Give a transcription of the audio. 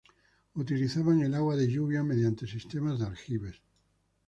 Utilizaban el agua de lluvia mediante sistema de aljibes.